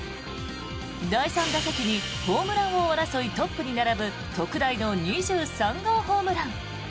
第３打席にホームラン王争いトップに並ぶ特大の２３号ホームラン。